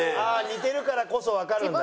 似てるからこそわかるんだね。